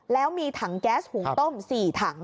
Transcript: แล้วมีถังแก๊สหุงต้ม๔ถัง